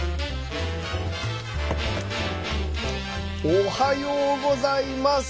おはようございます。